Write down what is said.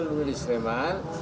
mungkin di sereman